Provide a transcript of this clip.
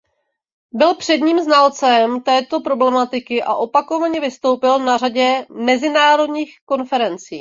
Byl předním znalcem této problematiky a opakovaně vystoupil na řadě mezinárodních konferencí.